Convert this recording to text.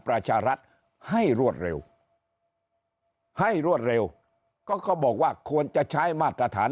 ประชารัฐให้รวดเร็วให้รวดเร็วก็เขาบอกว่าควรจะใช้มาตรฐาน